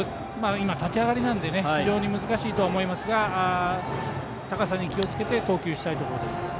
今、立ち上がりなので非常に難しいとは思いますが高さに気をつけて投球したいところです。